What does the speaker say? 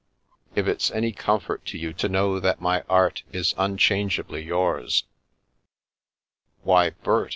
If it's any comfort to you to know that my 'eart is unchangeably yours "" Why, Bert